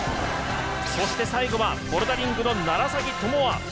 そして最後はボルダリングの楢崎智亜。